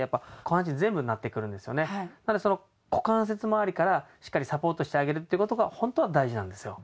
なのでその股関節まわりからしっかりサポートしてあげるっていう事がホントは大事なんですよ。